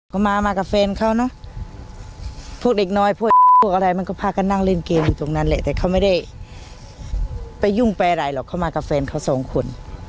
เขามามากับแฟนเขาเนอะพวกเด็กน้อยพวกอะไรมันก็พากันนั่งเล่นเกมอยู่ตรงนั้นแหละแต่เขาไม่ได้ไปยุ่งไปอะไรหรอกเขามากับแฟนเขาสองคน